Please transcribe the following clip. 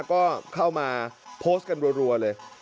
ก็เข้ามาโพสต์กันรัวเลย